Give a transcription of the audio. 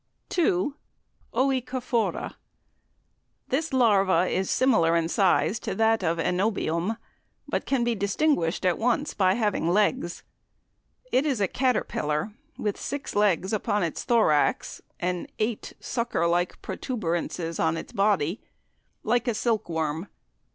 2. "Oecophora." This larva is similar in size to that of Anobium, but can be distinguished at once by having legs. It is a caterpillar, with six legs upon its thorax and eight sucker like protuberances on its body, like a silk worm.